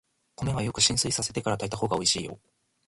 米はよく浸水させてから炊いたほうがおいしいよ。